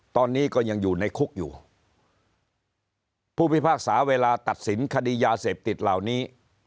ตอนนี้ก็ยังอยู่ในคุกอยู่ผู้พิพากษาเวลาตัดสินคดียาเสพติดเหล่านี้